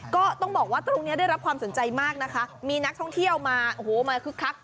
ก็ต้องบอกว่าตรงนี้ได้รับความสนใจมากนะคะมีนักท่องเที่ยวมาโอ้โหมาคึกคัก